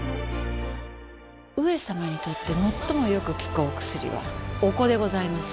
上様にとってもっともよく効くお薬はお子でございます。